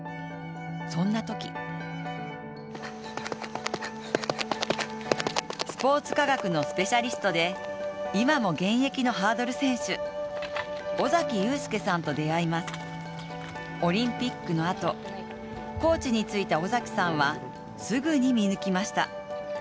そんなときスポーツ科学のスペシャリストで今も現役のハードル選手、オリンピックのあと、コーチに就いた尾崎さんは、すぐに見抜きました。